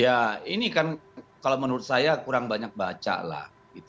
ya ini kan kalau menurut saya kurang banyak baca lah